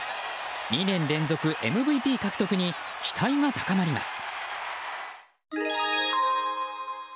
２年連続ＭＶＰ獲得に期待が高まります。